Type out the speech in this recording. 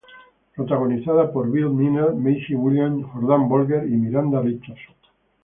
Protagonizada por Bill Milner, Maisie Williams, Jordan Bolger y Miranda Richardson.